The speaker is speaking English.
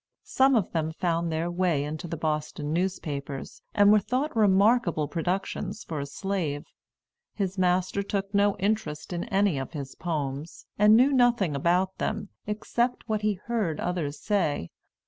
Some of them found their way into the Boston newspapers, and were thought remarkable productions for a slave. His master took no interest in any of his poems, and knew nothing about them, except what he heard others say.